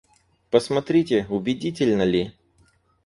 Посмотрите, убедительно ли?